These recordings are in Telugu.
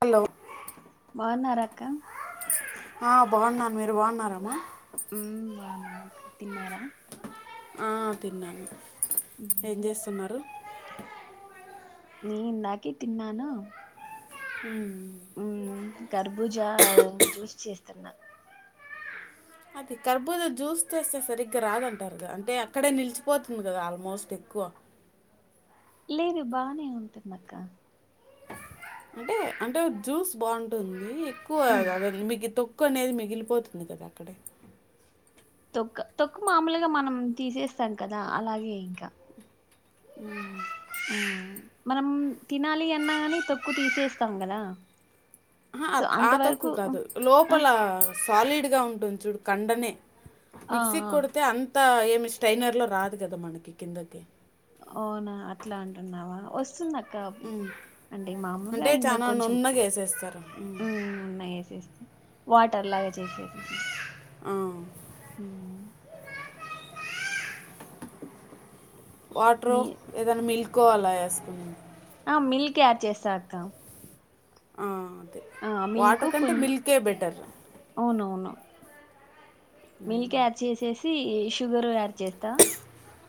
హల్లో బాన్నారా అక్క ఆ బావున్నా మీరు బాగున్నారా మ ఉమ్ బావున్నాం అక్క తిన్నారా ఆ తిన్నాను ఏం చేస్తున్నారు నే ఇందాకే తిన్నాను మ్మ్ ఉమ్ కర్భూజ జ్యూస్ చేస్తున్నా అది కర్బూజా జ్యూస్ చేస్తే సరిగ్గా రాదంటారు గా, అంటే అక్కడే నిల్చిపోతుంది గదా ఆల్మోస్ట్. కువా లేదు బానే ఉంటుందక్క అంటే అంటే జ్యూస్ బావుంటుంది ఎక్కువ ఉమ్ గాద మీగిత్తో క్కనేది మిగిలిపోతుంది గద అక్కడే తొక్క తొక్కు మామూలుగా మనం తీసేస్తాం కదా అలాగే ఇంకా మ్మ్ మనం తినాలి అన్నా గాని తొక్కు తీసేస్తాం గదా అహా ఆ తొక్కు కాదు ఆ లోపల సాలిడ్గా ఉంటుంది చూడు కండనే ఆ మిక్సీకి ఆ కొడితే అంతా ఏమి స్ట్రైనర్ లో రాదు గద మనకి కిందకి అవునా అట్లా అంటున్నావా వస్తుందక్ అంటే మాములుగా అంటే ఇంగ చాలా కొంచుం నున్నగా వేసేస్తారు ఉమ్. ఉన్నాయి ఎసేసి వాటర్ లాగా చేసేసుకున్నా ఆ. వాట్రో మీ ఏదైనా మిల్కో అలా ఏసుకుం ఆ మిల్క్ ఆడ్ చేస్తా అక్క ఆ అదే ఆ మిల్క్ వాటర్ కంటే కొం మిల్కే బెటర్ అవునవును మిల్క్ యాడ్ చేసేసి ఈ షుగర్ యాడ్ చేత్తా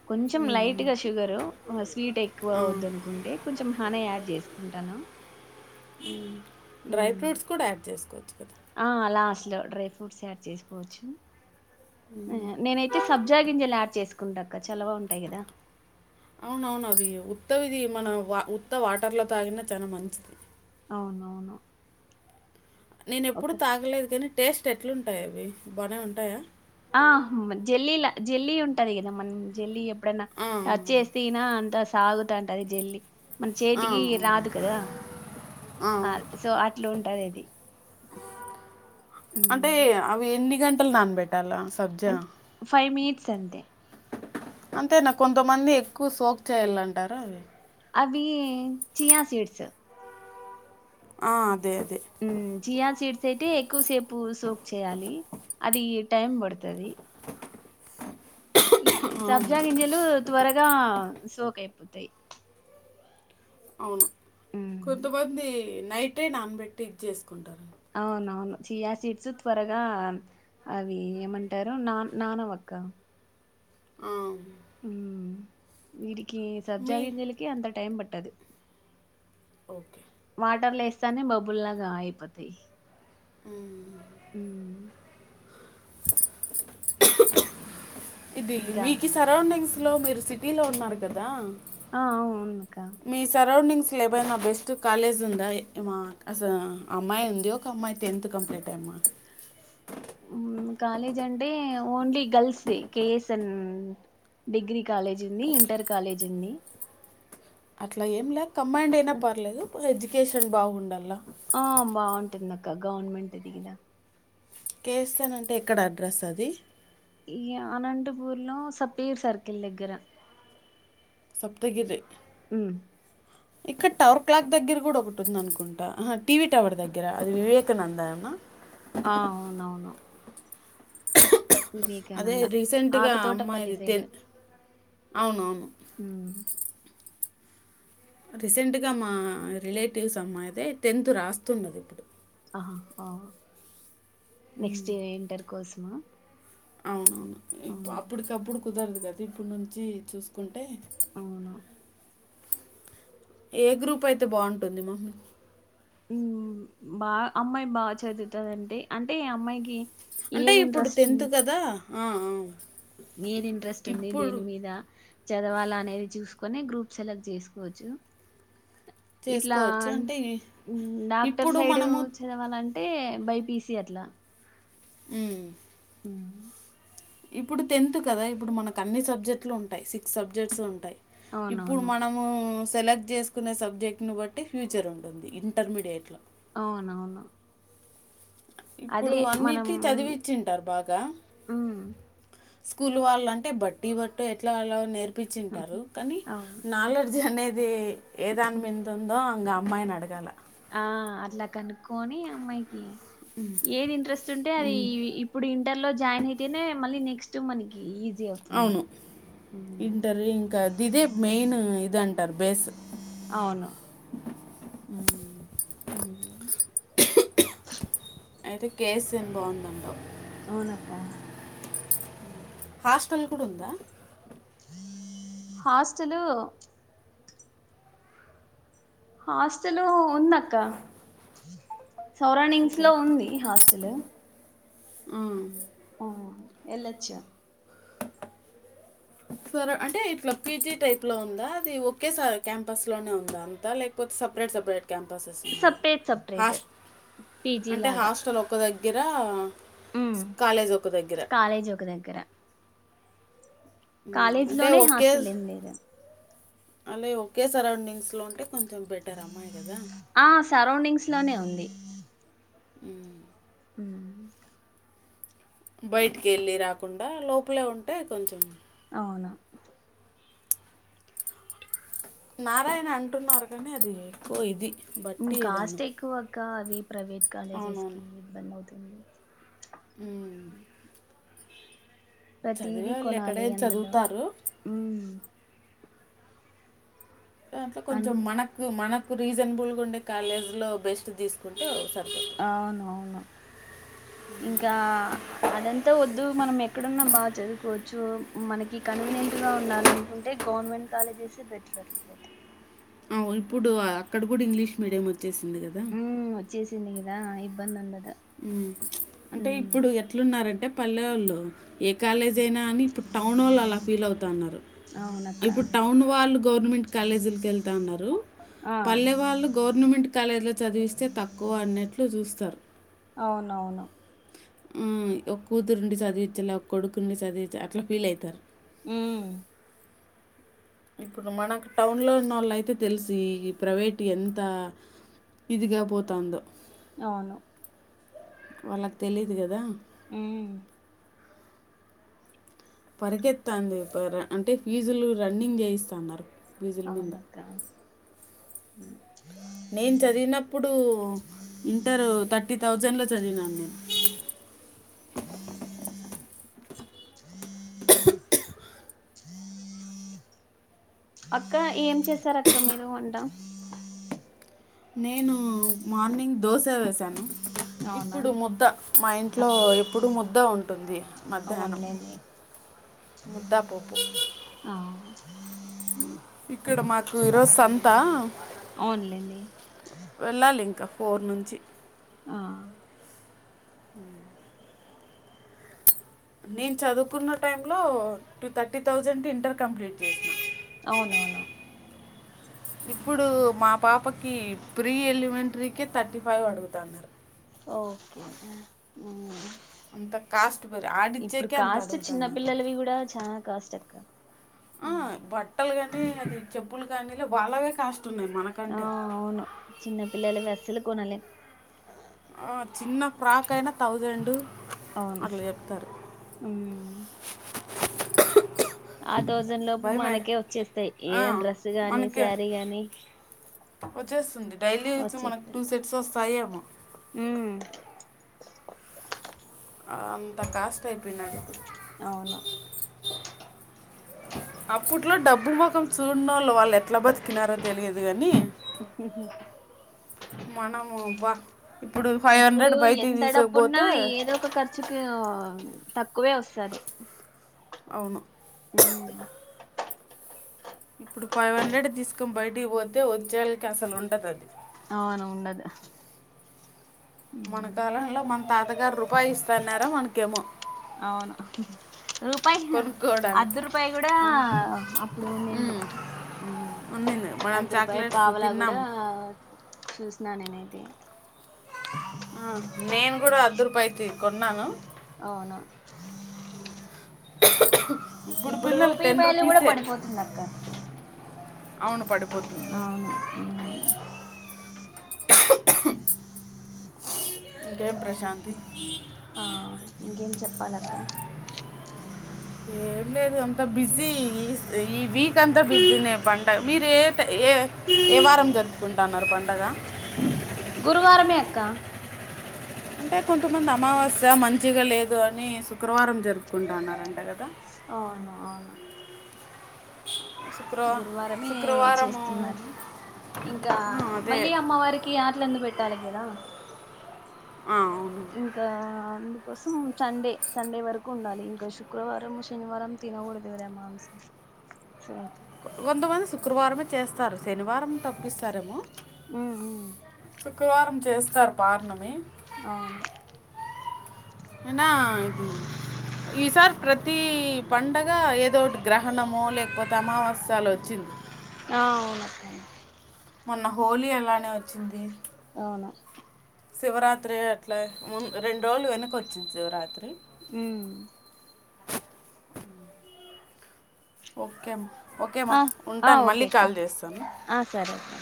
కొంచెం లైట్ గా షుగర్ స్వీట్ ఎక్కువ వద్దు అనుకుంటే కొంచెం హనే యాడ్ చేసు కుంటాన డ్రై ఫ్రూట్స్ కూడా యాడ్ చేసుకోవచ్చు కదా ఆ లాస్ట్ డ్రై యాడ్ చేసుకోవచ్చు నేనైతే సబ్జా గింజలు డ్ చేస్ సుకుంటాక్క చల్లగా ఉంటాయి కదా అవునవును అది ఉత్త ఇది మన వా ఉత్త వాటర్లో తాగిన చాన మంచిది అవునవును నేన ఎప్పుడూ ఓకే తాగలేదు కానీ టేస్ట్ ఎట్లుంటాయి అవి బానే ఉంటాయా ఆ జల్లీలా జల్లి ఉంటది కదా మనం జల్ ఎప్పుడైనా ఆ, టచ్ చేతిన అంత సాగుతాంటది జెల్లి మన ఆ, చేతికి రాదు కదా ఆ సో అట్లు ఉంటాది ఇది అంటే ఉమ్, అవి ఎన్ని గంటలు నానిబెట్టాలా అంట్ ఫైవ్ మినిట్స్ అంతే అంతే నా కొంతమంది ఎక్కువ సోక్ చేయాలంటార అది అవి చియా సీడ్స్ ఆ అదే అదే ఉమ్ చీయ సీడ్స్ అయితే ఎక్కువసేపు సోక్ చేయాలి అది టైం పడుతది. ఈ ఆ, సబ్జా గింజలు త్వరగా సోక్ అయిపోతయ్ అవును కొంతమంది నైటే నానబెట్టి ఇది చేసుకుంటారు అవునవును చియాసిట్స్ త్వరగా అవి ఏమంటారు నాన నానవ్ క్క ఆ వీటికి సబ్జా మీ గింజలకి అంత టైం పట్టదు ఓకే వాటర్లో వేస్తానే బబ్బుల్ లాగా అయిపోతాయి ఉ ఉమ్ ఇది ఇంకా మీకు సరౌండింగ్స్ లో మీరు సిటీలో ఉన్నారు కదా ఆ అవు ఉన్నకా అసలు ఎబై నా బెస్ట్ కాలేజ్ ఉందా మా అసలు అమ్మాయి ఉంది. ఒక అమ్మాయి టెన్త్ కంప్లీట్ అయింది. ఉమ్ కాలేజ్ అంటే ఓన్లీ గర్ల్స్ ది కఎస్ అన్ డిగ్రీ కాలేజ్ ఉంది ఇంటర్ కాలేజ్ ఉంది అట్లా ఏం లే కంబైండ్ అయినా పర్లేదు ఎడ్యుకేషన్ బాగుండాల ఆ బాగుంటుంది అక్క గవర్నమెంట్ దిగదా కే ఎస్ ఎన్ అంటే ఎక్కడ అడ్రస్ అది ఇయ అనంతపూర్లో సప్తగిరి సర్కిల్ దగ్గర సప్తగిరి ఉ ఇక్కడ టవర్ క్లాక్ దగ్గర కూడా ఒకటి ఉంద అనుకుంటా. టీవీ టవర్ దగ్గర అది వివేకానంద అమా ఆ అవునవును అదే వివేకానంద రీసెంట్గా ఆకుతోటపల్లి అమ్మాయిది తెన్ అవునవును ఉ రీసెంట్గా మా రిలేటివ్స్ అమ్మాయిదే టెన్త్ రాస్తున్నది ఇప్పుడు అహ హ నెక్స్ట్ ఇ ఇంటర్ కోసమా అవునవును ఆ, అప్పటికప్పుడు కుదరదు కదా ఇప్పుడు నుంచి చూసుకుంటే అవును ఏ గ్రూప్ అయితే బాగుంటుంది మా బాగా అమ్మాయి బాగా చదువుతందింటడి అంటే అమ్మాయికి అంటే ఏది ఇప్పుడు ఇంట్రెస్ట్ ఉన్ టెన్త్ కదా ఆ ఏది ఇంట్రెస్ట్ ఉంది ఇప్పుడు దేని మీద చదవాలా అనేది చూసుకొని గ్రూప్ సెలెక్ట్ చేసుకోవచ్చు ఇట్లా చేసుకోవచ్చు అంటే ఈ- డాక్టర్ ఇప్పుడు సైడ్ మనము చదవాలని అంటే బైపీసి అట్లా హ్మ్మ్ అ ఇప్పుడు టెన్త్ కదా ఇప్పుడు మనకు అన్ని సబ్జెక్ట్లు ఉంటాయి సిక్స్ సబ్జెక్ట్స్ ఉంటాయి ఇప్పుడు అవునవును మనము సెలెక్ట్ చేసుకునే సబ్జెక్ట్ను బట్టి ఫ్యూచర్ ఉంటుంది ఇంటర్మీడియట్లో అవునవును అదే ఇప్పుడు మనం అన్నింటి చదివిచ్చింటారు బాగా ఉమ్ స్కూల్ వాళ్ళంటే బట్టి బట్టు ఎట్లా నేర్పించింటారు కానీ అవును నాలెడ్జ్ అనేది ఏదానిందు ఉందో ఇం అమ్మాయిని అడగాల ఆ అట్లా కనుక్కొని అమ్మాయికి ఏది ఇంట్రెస్ట్ ఉంటే అది ఇప్పుడు ఇంటర్ లో జాయిన్ అయితేనే మళ్ళీ నెక్స్ట్ ఇ మనకి ఈజీ అవుతుంది అవును ఉమ్, ఇంటర్ ఇంకా ద ఇదే మెయిన్ ఇది అంటారు బేస్ అ అవును అ అయితే కేస్ ఏం బాగుందంటో అవునక్క హాస్టల్ కూడా ఉందా హాస్టల్ హాస్టెల్ ఉంది అక్క సౌరౌండింగ్స్ లో ఉంది హాస్టల్ ఆ వెళ్లొచ్చు ఆ అంటే ఇట్లా పీజీ టైప్ లో ఉందా అది ఒకే క్యాంపస్లోనే ఉందా అంతా లేకపోతే సపరేట్ సపరేట్ క్యాంపసెస్ ఉన్నాయా సపరేట్ సపరేట్ హాస్ పీజీ అంటే లాగా హాస్టల్ ఒక దగ్గర కాలేజ్ ఒక దగ్గర కాలేజ్ ఒక దగ్గర కాలేజ్ అంటే లోనే ఒకఓే హాస్టల్ ఏం లేదు అలాగ ఒకే సరౌండింగ్స్లో ఉంటే కొంచెం బెటర్ అమ్మాయి కదా ఇట్లానే ఉంది ఉ అ బయటికి వెళ్ళి రాకుండా లోపలే ఉంటే కొంచెం అవునా నారాయణ అంటున్నారు కానీ అది ఎక్కువ ఇది బట్టి ఇదాను కాస్ట్ ఎక్కువ అక్క అవి ప్రైవేట్ కాలేజెస్ కి ఇబ్బంది అవుతు హ్మ్మ్ అవును ప్రతిదీ కొనాలి ఎక్కడైనా అందులో చదువుతారు ఉ దాంట్లో కొంచెం అంతే మనకు మనకు రీజనబుల్గా ఉండే కాలేజ్లో బెస్ట్ తీసుకుంటే సారు అవునువును ఇంకా అదంతా వద్దు మనం ఎక్కడున్నా బాగా చదువుకోవచ్చు మనకి కన్వీనియంట్ గా ఉండాలనుకుంటే గవర్నమెంట్ కాలేజెస్ బెటర్ అట్ల పోతే ఇప్పుడు అక్కడ కూడా ఇంగ్లీష్ మీడియం వచ్చేసింది కదా చ్చింది కదా ఇబ్బంది ఉండదు ఉమ్ అంటే ఉమ్ ఇప్పుడు ఎట్లున్నారంటే పల్లె వాళ్ళు ఏ కాలేజ్ అయినా అని ఇప్పుడు టౌన్ వోళ్ళు అలా ఫీల్ అవుతున్నారు అవునక్క ఇప్పుడు టౌన్ వాళ్ళు గవర్నమెంట్ కాలేజీలకి వెళ్తా ఉన్నారు ఆ పల్లెవాళ్ళు గవర్నమెంట్ కాలేజీలో చదివిస్తే తక్కువ అన్నట్లు చూస్తారు అవునవును ఆ ఒక్క కూతురుండి చదివించలా ఒక్క కొడుకు నుండి చదివించలా అట్లా ఫీల్ అయితారు ఉమ్ ఇప్పుడు మనకు టౌన్లో ఉన్న వాళ్ళు అయితే తెలిసి ప్రైవేట్ ఎంత ఇదిగా పోతాందో అవును వాళ్ళకి తెలీదు కదా ఉమ్ పరిగెత్తంది అంటే ఫీజులు రన్నింగ్ చేయిస్తాన్నారు అవునక్క నేను చదివినప్పుడు ఇంటర్ థర్టీ థౌజండ్ లో చదివినాను నేను అక్క ఏం చేసారు అక్క మీరు వంట నేను మార్నింగ్ దోశ వేసాను అవునా ఇప్పుడు ముద్ద మా ఆ, ఇంట్లో ఇప్పుడు ముద్ద ఉంటుంది మధ్యాహ్నం అవునులేండి ముద్ద పప్పు ఆ ఇక్కడ మాకు ఈరోజు సంత అవునులేండి వెళ్ళాలి ఇంకా ఫోర్ నుంచి ఆ అ నేను చదువుకున్న టైం లో two thirty thousand inter complete చేసినా అవునవును అ ఇప్పుడు మా పాపకి ప్రీ ఎలిమెంటరీ క థర్టీ ఫైవ్ అడుగుతన్నారు ఓకే ఉమ్ అంత కాస్ట్ పెరి ఇప్పుడు ఆడిచ్చేకే అంత కాస్ట్ చిన్న అడుగుతున్నారు పిల్లలవి కూడా చానా కాస్ట్ అక్క ఆ బట్టలు కానీ అది చెప్పులు కానీలా వాళ్ళవే కాస్ట్ ఉన్నాయి ఆ మనకంటే అవును చిన్నపిల్లలవే అస్సలు కొనలేం ఆ చిన్న పాప కయినా థౌజండ్ అవును అట్లా చెప్తారు ఉమ్ ఆ థౌజండ్ లోపు భయమే మనకే వచ్చేస్తాయి ఆ, ఏ డ్రస్సు గాని మనకి శారీ గాని వచ్చేస్తుంది డైలీ వేర్స్ మనకు వచ్చేస్తాయి టూ సెట్స్ వస్తాయి ఏమో ఉమ్ అంత కాస్ట్ అయిపోయినాయ్ ఇప్పుడు అవును [inaudible] అప్పట్లో డబ్బు ముఖం చూడనోళ్ళు వాళ్ళు ఎట్లా బతికినారో తెలీదు కాని ఉహూహూ మనము బ్బా ఇప్పుడు ఎంత డబ్బున్నా ఏదో ఒక ఖర్చుకి తక్కువే వస్తాది అవును ఉమ్ ఇప్పుడు ఫైవ్ హండ్రెడ్ తీసుకొని బయటకి పోతే వచ్చేళకి అసలు ఉంటది అది అవును ఉండదు మన ఉమ్ కాలంల్ల మన తాతగారు రూపాయి ఇస్తన్నారా మనకేమో అవునా రూపాయి అర్ధ కొనుక్కోవడానికి రూపాయి కూడా ఆ, అప్పుడు ఉండింది ఉమ్, ఉన్నింది మనం అర్ధరూపాయి చాక్లెట్స్ పావలా కూడా తిన్నాం చూ నా నేనైతే ఆ నేను కూడా అర్ధరూపాయి కి కొన్నాను అవును [unintelligible] ఇప్పుడు పిల్లలు రూపీ టెన్ వాల్యూ కూడా రూపీసే పడిపోతుంది అక్క అవును పడిపోతుంది అవును [inaudible] ఇంకేం ప్రశాంతి ఆ ఇంకేం చెప్పాలక్క ఏం లేదు అంత బిజీ ఈ వీక్ అంతా బిజీనే పండగ మీరేంట్ ఏ ఏ వారం జరుపుకుంటన్నారు పండగ గురువారమే అక్క అంటే కొంతమంది అమావాస్య మంచిగా లేదు అని శుక్రవారం జరుపుకుంట ఉన్నారంట అక్క అవును అవును [inaudible] గురువారమే శుక్రవారము చేస్తున్నారు ఇంకా ఆ, అదే మళ్ళీ అమ్మవారికి యాటల విందు పెట్టాలి కదా ఆ, అవును ఇంకా అందు కోసం సండే సండే వరకు ఉండాలి ఇంకా శుక్రవారం శనివారం తినకూడదు కదా మాంసం స్వాతి కొంతమంది శుక్రవారమే చేస్తారు శనివారం తప్పిస్తారేమో ఉమ్ శుక్రవారం చేస్తారు పార్ణమి అవునా ఏనా ఇది ఈసారి ప్రతీ పండగ ఏదోటి గ్రహణమో లేకపోతే అమావాస్య అలా వచ్చింది ఆ అవునాక్క మొన్న హోలీ అలానే వచ్చింది అవునా శివరాత్రి అట్లా రెండు రోజులు వెనక వచ్చింది శివరాత్రి ఉమ్ ఓకేమా ఓకేమ్మ ఆ ఆ ఉంటాను ఓకే మళ్ళీ అక్క కాల్ చేస్తాను ఆ సరే అక్క